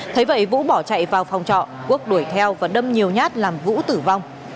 thấy vậy vũ bỏ chạy vào phòng trọ quốc đuổi theo và đâm nhiều nhát làm vũ tử vong